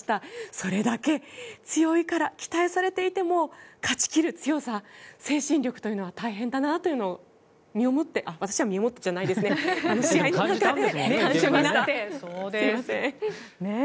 それだけ強いから期待されていても勝ち切る強さ、精神力というのは大変だなというのを身をもって私は身をもってじゃないですね。感じました。